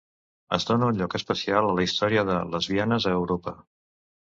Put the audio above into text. Es dóna un lloc especial a la història de lesbianes a Europa.